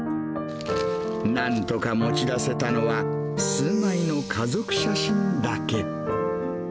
なんとか持ち出せたのは、数枚の家族写真だけ。